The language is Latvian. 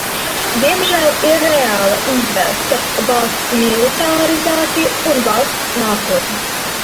Diemžēl ir reāla izvēle starp valsts militarizāciju un valsts nākotni.